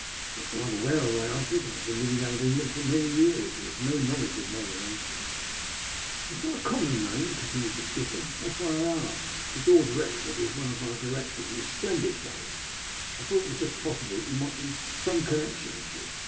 "Not that I'm aware of," I answered. ••! have been living out of England for many jearSi and have no knowledge of my relations. VE ABE SAVED. 205 u It's not a common name/' eontinaed the skipper ; that is why I ask. Sir George Wrexford is one ol our directors, and a splendid fellow. I thought it was just possible that you might be some connection of his.